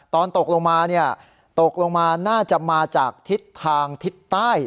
ตอนตกลงมาตกลงมาน่าจะมาจากทิศทางทิศใต้